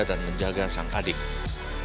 kedua orang tua mereka di kisaran asahan sumatera utara